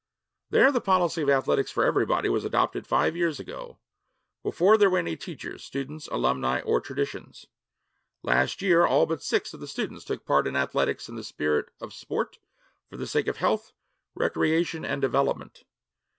There the policy of athletics for everybody was adopted five years ago before there were any teachers, students, alumni, or traditions. Last year all but six of the students took part in athletics in the spirit of sport for the sake of health, recreation, and development.